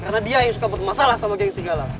karena dia yang suka buat masalah sama geng singgala